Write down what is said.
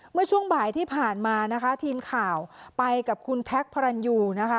เมื่อช่วงบ่ายที่ผ่านมานะคะทีมข่าวไปกับคุณแท็กพระรันยูนะคะ